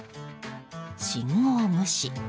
信号無視。